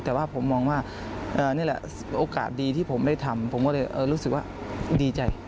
แต่ว่าผมมองว่านี่แหละโอกาสดีที่ผมได้ทำผมก็เลยรู้สึกว่าดีใจ